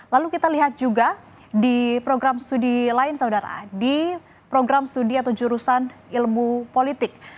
lalu kita lihat juga di program studi lain saudara di program studi atau jurusan ilmu politik